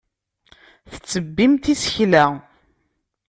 Tettebbimt isekla.